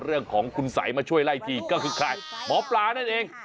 เรื่องของคุณสัยมาช่วยไล่ทีก็คือใครหมอปลานั่นเอง